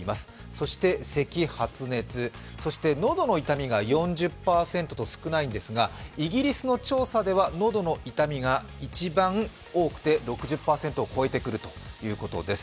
そして咳、発熱、そして喉の痛みが４０％と少ないんですがイギリスの調査では、喉の痛みが一番多くて６０％を超えてくるということです。